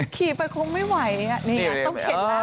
ขี่ไปคงไม่ไหวนี่ต้องเข็นแล้ว